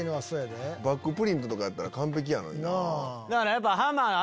バックプリントやったら完璧やのにな。